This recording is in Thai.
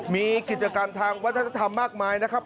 มีกิจกรรมทางวัฒนธรรมมากมายนะครับ